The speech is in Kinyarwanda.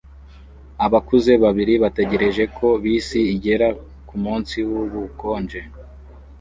Abakuze babiri bategereje ko bisi igera kumunsi wubukonje